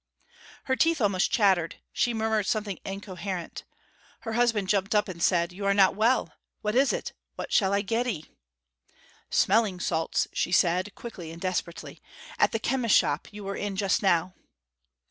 Her teeth almost chattered; she murmured something incoherent. Her husband jumped up and said, 'You are not well! What is it? What shall I get 'ee?' 'Smelling salts!' she said, quickly and desperately; 'at the chemist's shop you were in just now.'